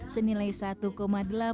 senilai satu delapan juta rupiah